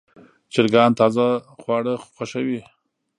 چرګان تازه خواړه خوښوي.